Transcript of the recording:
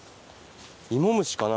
イモムシかな？